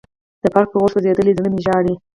د فراق په اور سوځېدلی زړه مې ژاړي.